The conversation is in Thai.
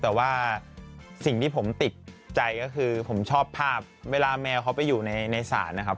แต่ว่าสิ่งที่ผมติดใจก็คือผมชอบภาพเวลาแมวเขาไปอยู่ในศาลนะครับ